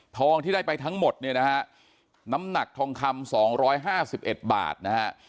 ทองที่ได้ไปทั้งหมดเนี่ยนะฮะน้ำหนักทองคำ๒๕๑บาทนะฮะ